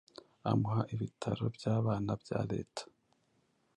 amuha ibitaro by'abana bya leta